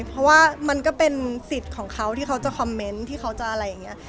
เพราะว่ามันก็เป็นสิทธิ์ของเขาที่เขาจะคอมเมนต์ที่เขาจะอะไรอย่างนี้